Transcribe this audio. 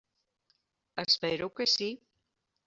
Espero que sí.